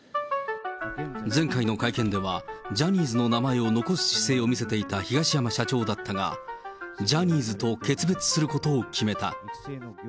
前回の会見では、ジャニーズの名前を残す姿勢を見せていた東山社長だったが、ジャニーズと決別することを決めた。